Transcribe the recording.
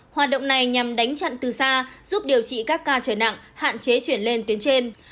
hoạt động này nhằm đánh chặn từ xa giúp điều trị các ca trở nặng hạn chế chuyển lên tuyến trên